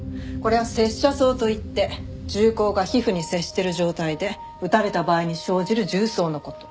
これは接射創といって銃口が皮膚に接している状態で撃たれた場合に生じる銃創の事。